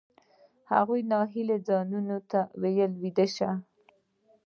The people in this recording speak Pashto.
هغه له ناهیلۍ ځان ته وایی ویده شه